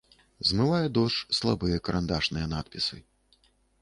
Змывае дождж слабыя карандашныя надпісы.